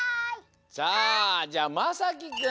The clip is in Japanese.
じゃあじゃまさきくん。